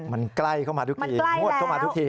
มันใกล้เข้ามาทุกทีมันใกล้แล้ว